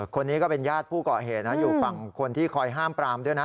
คนนี้ก็เป็นญาติผู้เกาะเหตุนะอยู่ฝั่งคนที่คอยห้ามปรามด้วยนะ